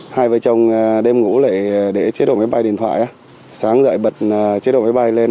hai vợ chồng đêm ngủ lại để chế độ máy bay điện thoại sáng gợi bật chế độ máy bay lên